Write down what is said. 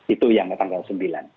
itu yang ketanggal sembilan